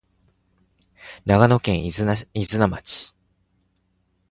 長野県飯綱町